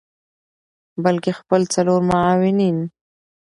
بلکه خپل څلور معاونین